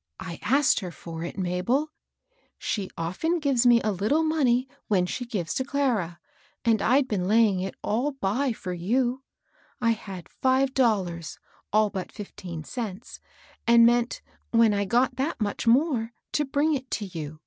" I asked her for it, Mabel. She often gives me a little money when she gives to Clara, and I'd 110 MABEL ROSS. been laying it all by for you. I had five dollars, all but fifteen cents, and meant, when I got that much more, to bring it to you.